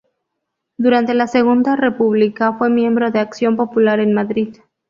Durante la Segunda República fue miembro de Acción Popular en Madrid.